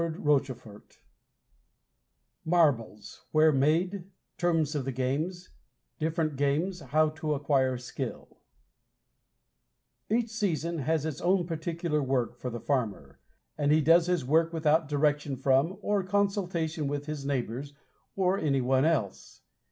SPRING CHAPTER I MARBLES: WHERE MADE; TERMS OF THE GAMES; DIFFERENT GAMES; HOW TO ACQUIRE SKILL Each season has its own particular work for the farmer, and he does his work without direction from or consultation with his neighbors or any one else.